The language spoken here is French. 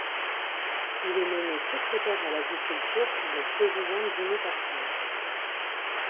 Il est nommé secrétaire à l'agriculture par le président Jimmy Carter.